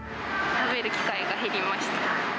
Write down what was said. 食べる機会が減りました。